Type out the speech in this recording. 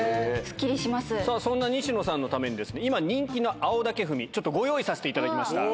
さあそんな西野さんのために、今、人気の青竹踏み、ちょっとご用意させていただきました。